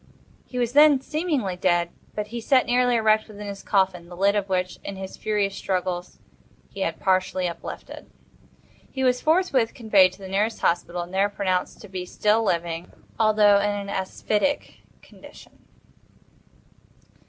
He was then seemingly dead; but he sat nearly erect within his coffin, the lid of which, in his furious struggles, he had partially uplifted. He was forthwith conveyed to the nearest hospital, and there pronounced to be still living, although in an asphytic condition.